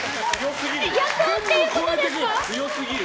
強過ぎる。